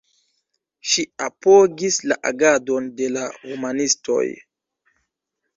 Ŝi apogis la agadon de la humanistoj.